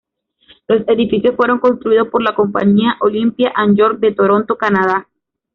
Los edificios fueron construidos por la compañía Olympia and York de Toronto, Canadá.